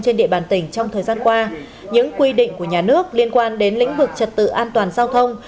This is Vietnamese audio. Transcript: trên địa bàn tỉnh trong thời gian qua những quy định của nhà nước liên quan đến lĩnh vực trật tự an toàn giao thông